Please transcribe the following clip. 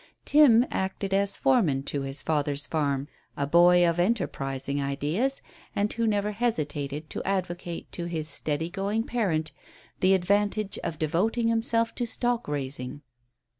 Tim acted as foreman to his father's farm; a boy of enterprising ideas, and who never hesitated to advocate to his steady going parent the advantage of devoting himself to stock raising.